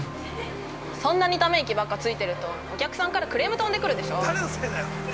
そんなにため息ばっかついてると、お客さんからクレーム飛んでくるでしょう。